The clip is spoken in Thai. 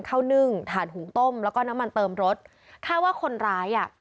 นึ่งถ่านหุงต้มแล้วก็น้ำมันเติมรสคาดว่าคนร้ายอ่ะ